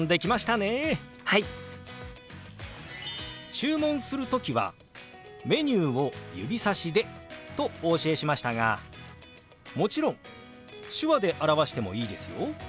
注文する時はメニューを指さしでとお教えしましたがもちろん手話で表してもいいですよ。